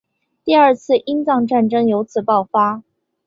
第二次英藏战争由此爆发。